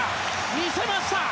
見せました！